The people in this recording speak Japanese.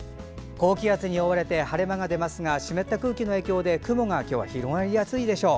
高気圧に覆われて晴れ間が出ますが湿った空気の影響で今日は雲が広がりやすいでしょう。